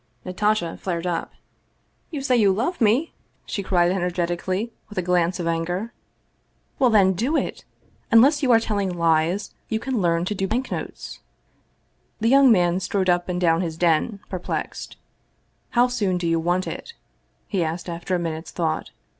Natasha flared up. " You say you love me?" she cried energetically, with a glance of anger. " Well, then, do it. Unless you are tell ing lies, you can learn to do banknotes." The young man strode up and down his den, perplexed. " How soon do you want it?" he asked, after a minute's thought.